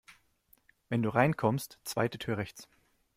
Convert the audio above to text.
Wenn du reinkommst, zweite Tür rechts.